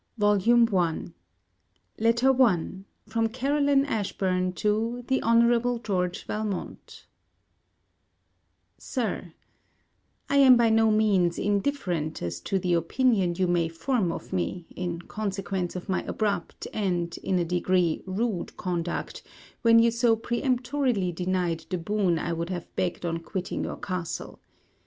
VOLUME I LETTER I FROM CAROLINE ASHBURN TO THE HONOURABLE GEORGE VALMONT SIR, I am by no means indifferent as to the opinion you may form of me, in consequence of my abrupt, and, in a degree, rude conduct, when you so peremptorily denied the boon I would have begged on quitting your castle.